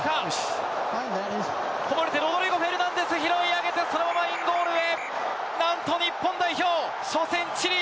こぼれて、ロドリゴ・フェルナンデス拾い上げて、そのままインゴールへ！